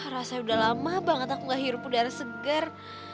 rasanya udah lama banget aku gak hirup udara segar